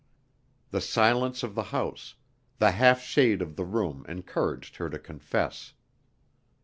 The silence of the house, the half shade of the room encouraged her to confess.)